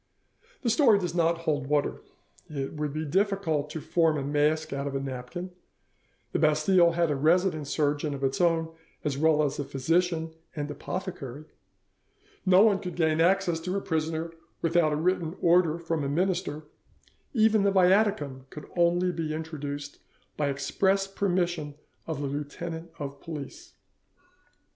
This story does not hold water: it would be difficult to form a mask out of a napkin; the Bastille had a resident surgeon of its own as well as a physician and apothecary; no one could gain access to a prisoner without a written order from a minister, even the Viaticum could only be introduced by the express permission of the lieutenant of police.